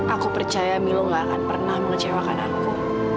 aku percaya milo gak akan pernah mengecewakan aku